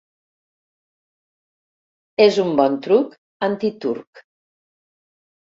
És un bon truc antiturc.